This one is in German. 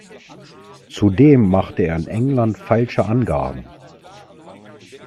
Zudem machte er in England falsche Angaben.